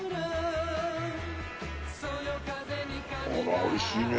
あら美味しいね。